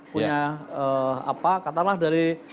punya apa katalah dari